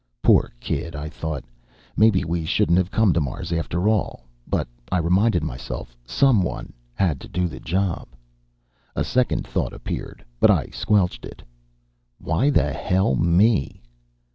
Poor kid, I thought. Maybe we shouldn't have come to Mars after all. But, I reminded myself, someone had to do the job. A second thought appeared, but I squelched it: Why the hell me?